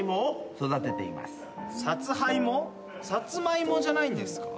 サツマイモじゃないんですか？